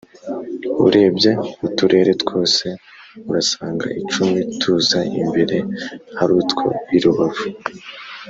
Urebye uturere twose urasanga icumi tuza imbere arutwo i Rubavu